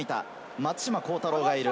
松島幸太朗がいる。